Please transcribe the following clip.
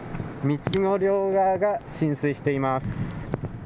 道の両側が浸水しています。